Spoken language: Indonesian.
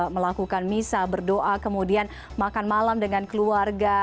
melakukan misa berdoa kemudian makan malam dengan keluarga